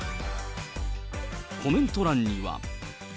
コメント欄には。